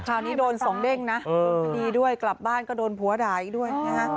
คราวนี้โดนส่งเด้งนะดีด้วยกลับบ้านก็โดนผัวดายด้วย